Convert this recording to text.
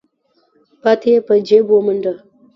پاتې يې په جېب ومنډه.